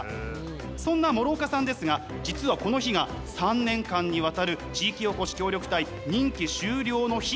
そんな諸岡さんですが実はこの日が３年間にわたる地域おこし協力隊任期終了の日。